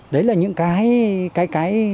đấy là những cái